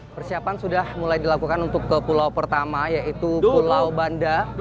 persiapan sudah mulai dilakukan untuk ke pulau pertama yaitu pulau banda